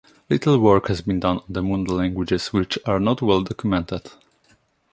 Little work has been done on the Munda languages, which are not well documented.